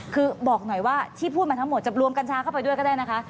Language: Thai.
คือบอกหน่อยว่าที่พูดมาทั้งหมดจะรวมกัญชาเข้าไปด้วยก็ได้นะคะ